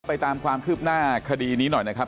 ตามความคืบหน้าคดีนี้หน่อยนะครับ